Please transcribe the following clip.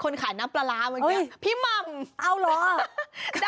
ขายน้ำปลาร้าเมื่อกี้พี่หม่ำเอาเหรอ